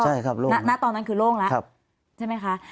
ใช่ครับณตอนนั้นคือโล่งแล้วใช่ไหมคะ